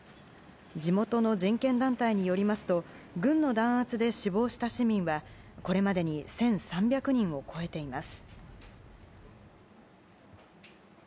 地元の人権団体によりますと軍の弾圧で死亡した市民はこれまでに１３００人を超えています。